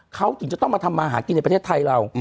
เขาถึงจะต้องมาทำมาหากินในประเทศไทยเรา